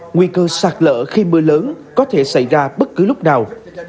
nguy cơ sạt lỡ khi mưa lớn có thể xảy ra bất cứ lúc nào